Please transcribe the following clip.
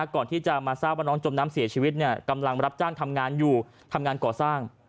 ก่อนที่จะมาทราบว่าน้องจมน้ำเสียชีวิตกำลังรับจ้างทำงานอยู่ทำงานก่อสร้าง